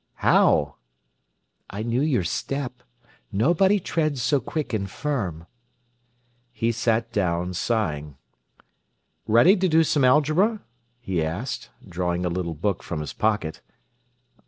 "How?" "I knew your step. Nobody treads so quick and firm." He sat down, sighing. "Ready to do some algebra?" he asked, drawing a little book from his pocket.